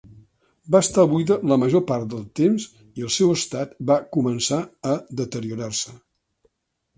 Va estar buida la major part del temps i el seu estat va començar a deteriorar-se.